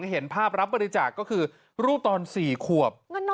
เห็นภาพรับบริจาคก็คือรูปตอน๔ขวบ